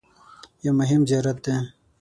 یو مهم زیارت دی.